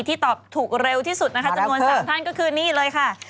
ที่ตอบถูกเร็วที่สุดจำนวน๓ท่านคือนี่เลยค่ะ